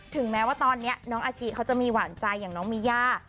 ถึงแม้ว่าตอนนี้น้องอาชิเขาจะมีหวานใจอย่างน้องมีย่า